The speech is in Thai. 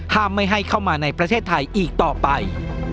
ไม่ให้เข้ามาในประเทศไทยอีกต่อไป